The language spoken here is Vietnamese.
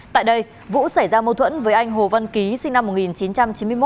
tại đây vũ xảy ra mâu thuẫn với anh hồ văn ký sinh năm một nghìn chín trăm chín mươi một